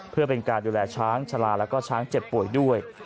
เพื่อเป็นการดูแลช้างชาลาแล้วก็ช้างเจ็บป่วยด้วย